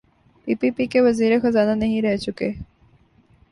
پی P P کے وزیر خزانہ نہیں رہ چکے؟